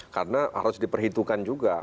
karena harus diperhitungkan juga